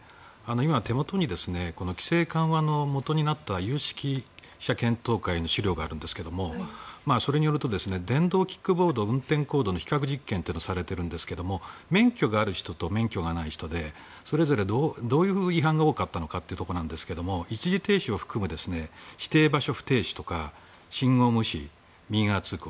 今、手元に規制緩和のもとになった有識者検討会の資料があるんですがそれによると電動キックボード運転行動の比較実験というのがされているんですが免許がある人と免許がない人でそれぞれどういう違反が多かったのかというところですが一時停止を含む指定場所不停止ですとか信号無視、右側通行